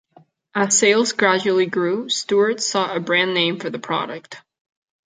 As sales gradually grew, Stuart sought a brand name for the product.